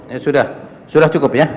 ya sudah sudah cukup ya